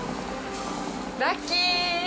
ラッキー。